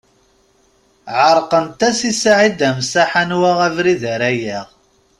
Ɛerqent-as i Saɛid Amsaḥ anwa abrid ara yaɣ.